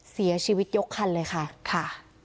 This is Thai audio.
เสียชีวิตยกคันเลยค่ะค่ะ